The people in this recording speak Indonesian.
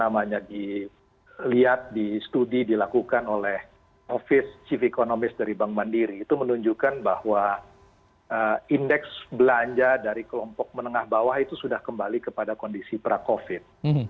yang dilihat di studi dilakukan oleh office chief economist dari bank mandiri itu menunjukkan bahwa indeks belanja dari kelompok menengah bawah itu sudah kembali kepada kondisi pra covid